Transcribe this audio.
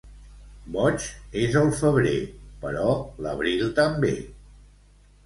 Boig és el febrer, però l'abril també.